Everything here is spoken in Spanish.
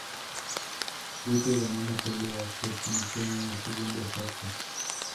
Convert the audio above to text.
Luque ganó la pelea por sumisión en el segundo asalto.